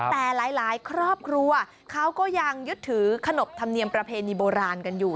แต่หลายครอบครัวเขาก็ยังยึดถือขนบธรรมเนียมประเพณีโบราณกันอยู่